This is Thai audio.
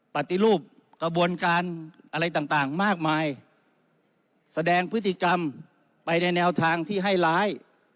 ปฏิรูปกระบวนการอะไรต่างมากมายแสดงพฤติกรรมไปในแนวทางที่ให้ร้าย